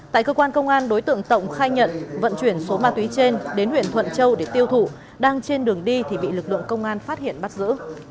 tại cơ quan công an đối tượng tổng khai nhận vận chuyển số ma túy trên đến huyện thuận châu để tiêu thụ đang trên đường đi thì bị lực lượng công an phát hiện bắt giữ